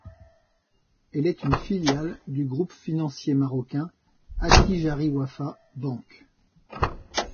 Elle est une filiale du groupe financier marocain Attijariwafa Bank.